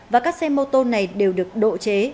và các xe mô tô này đều được độ chế